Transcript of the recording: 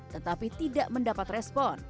tetapi tidak mendapat respon